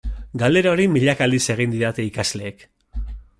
Galdera hori milaka aldiz egin didate ikasleek.